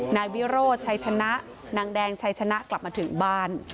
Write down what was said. นายวิโรชใชคณะนางแดงใชคณะกลับมาถึงบ้าน